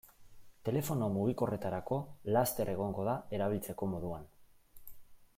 Telefono mugikorretarako laster egongo da erabiltzeko moduan.